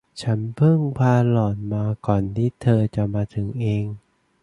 ฉันเพิ่งพาหล่อนมาก่อนที่เธอจะมาถึงเอง